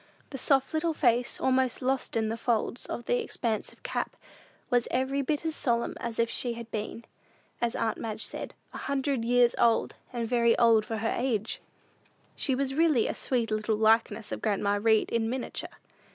The little soft face, almost lost in the folds of the expansive cap, was every bit as solemn as if she had been, as aunt Madge said, "a hundred years old, and very old for her age." She was really a sweet little likeness of grandma Read in miniature.